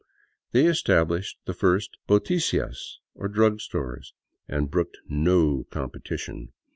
They established the first hoticas, or drug stores, and brooked no competition.